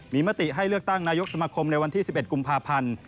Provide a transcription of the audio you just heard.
มีมติให้เลือกตั้งนายกสมคมในวันที่๑๑กุมภาพันธ์